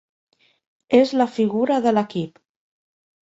És la figura de l'equip.